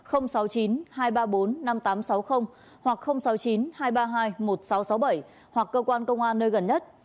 hoặc sáu mươi chín hai trăm ba mươi hai một nghìn sáu trăm sáu mươi bảy hoặc cơ quan công an nơi gần nhất